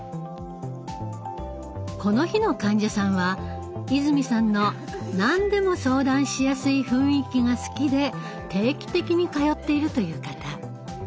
この日の患者さんは泉さんの何でも相談しやすい雰囲気が好きで定期的に通っているという方。